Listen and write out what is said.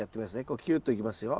こうきゅっといきますよ。